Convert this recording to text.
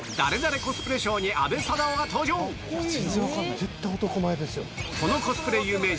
絶対男前ですよ。